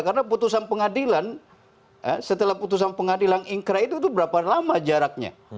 karena putusan pengadilan setelah putusan pengadilan ingkera itu berapa lama jaraknya